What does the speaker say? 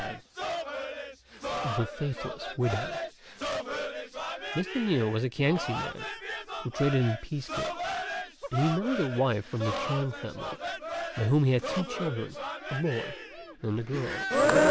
LXVIII. THE FAITHLESS WIDOW. Mr. Niu was a Kiangsi man who traded in piece goods. He married a wife from the Chêng family, by whom he had two children, a boy and a girl.